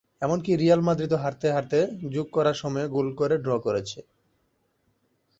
এমনকি রিয়াল মাদ্রিদও হারতে হারতে যোগ করা সময়ে গোল করে ড্র করেছে।